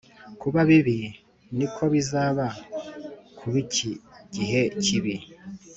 Kuba bibi ni ko bizaba ku b iki gihe kibi